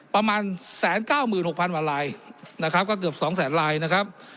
ประมาณ๑๙๖๐๐กว่าลายนะครับก็เกือบ๒แสนลายนะครับ